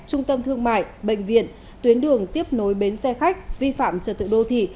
trung tâm thương mại bệnh viện tuyến đường tiếp nối bến xe khách vi phạm trật tự đô thị